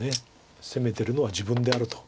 攻めてるのは自分であると。